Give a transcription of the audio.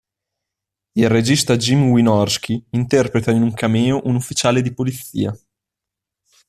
Il regista Jim Wynorski interpreta in un cameo un ufficiale di polizia.